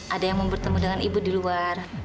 ada yang mau bertemu dengan ibu di luar